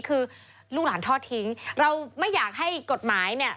คือลูกหลานทอดทิ้งเราไม่อยากให้กฎหมายเนี่ย